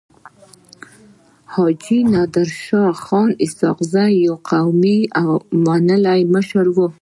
حاجي نادر شاه خان اسحق زی يو قوي او منلی مشر وو.